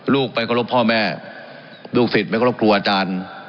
ลูกไปก็รบพ่อแม่ลูกศิษย์ไปก็รบครัวอาจารย์